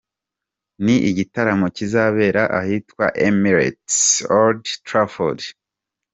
Ni igitaramo kizabera ahitwa Emirates Old Trafford.